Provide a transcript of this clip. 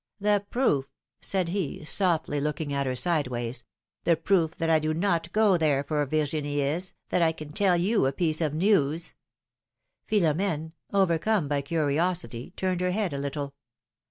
The proof,'' said he, softly, looking at her sideways, the proof that I do not go there for Virginie is, that I can tell you a piece of news —" Philomene, overcome by curiosity, turned her head a little.